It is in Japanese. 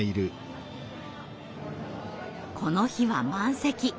この日は満席。